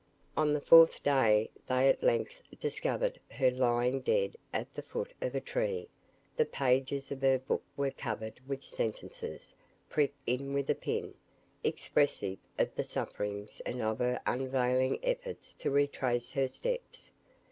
On the fourth day, they at length discovered her lying dead at the foot of a tree. The pages of her book were covered with sentences, pricked in with a pin, expressive of her sufferings and of her unavailing efforts to retrace her steps.